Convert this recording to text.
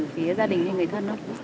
cái gia đình cái người thân đó